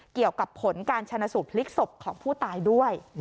เกี่ยวกับผลการชนะสูตรพลิกศพของผู้ตายด้วย